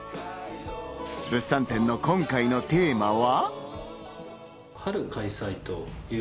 物産展の今回のテーマは。